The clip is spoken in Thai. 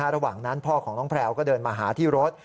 ระหว่างนั้นพ่อของน้องแพลวก็เดินมาหาที่รถ